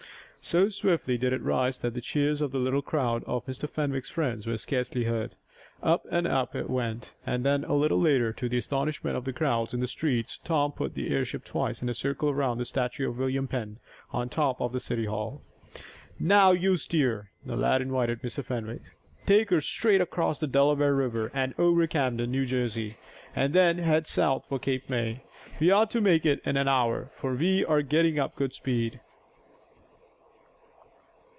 So swiftly did it rise that the cheers of the little crowd of Mr. Fenwick's friends were scarcely heard. Up and up it went, and then a little later, to the astonishment of the crowds in the streets, Tom put the airship twice in a circle around the statue of William Penn, on the top of the City Hall. "Now you steer," the lad invited Mr. Fenwick. "Take her straight across the Delaware River, and over Camden, New Jersey, and then head south, for Cape May. We ought to make it in an hour, for we are getting up good speed."